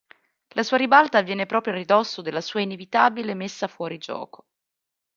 La sua ribalta avviene proprio a ridosso della sua inevitabile messa fuori gioco.